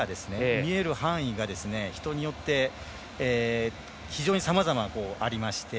見える範囲が、人によって非常にさまざまありまして。